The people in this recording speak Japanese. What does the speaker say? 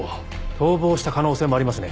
逃亡した可能性もありますね。